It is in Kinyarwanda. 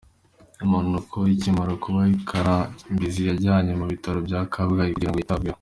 Impanuka ikimara kuba, Karambizi yajyanywe mu bitaro bya Kabgayi kugira ngo yitabweho.